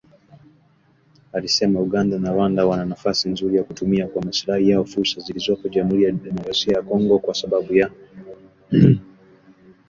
alisema Uganda na Rwanda wana nafasi nzuri ya kutumia kwa maslahi yao fursa zilizoko Jamuhuri ya Demokrasia ya Kongo kwa sababu ya